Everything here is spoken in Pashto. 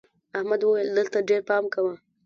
احمد وويل: دلته ډېر پام کوه.